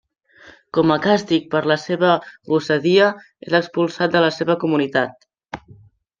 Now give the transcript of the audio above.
Com a càstig per la seva gosadia, és expulsat de la seva comunitat.